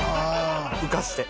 浮かして。